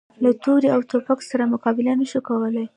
له تورې او توپک سره مقابله نه شو کولای.